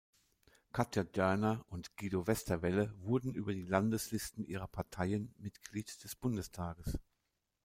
Katja Dörner und Guido Westerwelle wurden über die Landeslisten ihrer Parteien Mitglied des Bundestages.